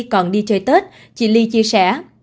còn đi chơi tết chị ly chia sẻ